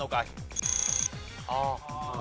ああ。